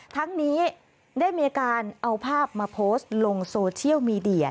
ทั้งนี้ได้มีการเอาภาพมาโพสต์ลงโซเชียลมีเดีย